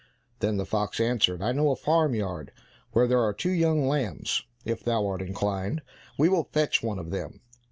Then the fox answered, "I know a farm yard where there are two young lambs; if thou art inclined, we will fetch one of them."